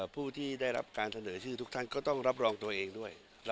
ผู้ที่ได้รับการเสนอชื่อทุกท่านก็ต้องรับรองตัวเองด้วย